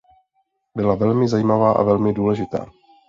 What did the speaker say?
Byla velmi zajímavá a velmi důležitá.